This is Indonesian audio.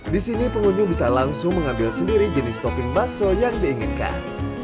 di sini pengunjung bisa langsung mengambil sendiri jenis topping bakso yang diinginkan